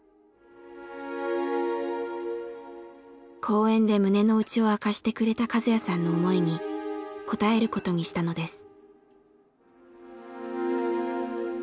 公園で胸の内を明かしてくれた和哉さんの思いに応えることにしたのです。